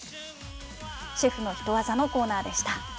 シェフのヒトワザのコーナーでした。